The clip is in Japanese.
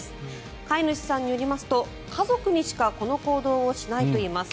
飼い主さんによりますと家族にしかこの行動をしないといいます。